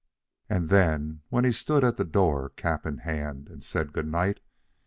And then, when he stood at the door, cap in hand, and said good night.